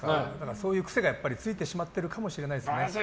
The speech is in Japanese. そういう癖がついてしまってるかもしれないですね。